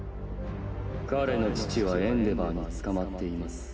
彼の父はエンデヴァーに捕まっています。